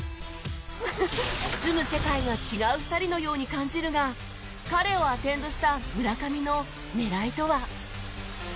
住む世界が違う２人のように感じるが彼をアテンドした村上の狙いとは？